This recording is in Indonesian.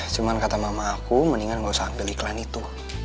cuma kata mama aku mendingan gak usah ambil iklan itu